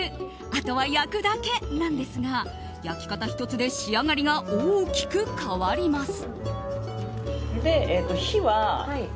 あとは焼くだけなんですが焼き方１つで仕上がりが大きく変わります。